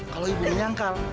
kalau ibu menyangkal